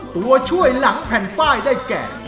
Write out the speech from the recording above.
ตัวช่วยหลังแผ่นป้ายได้แก่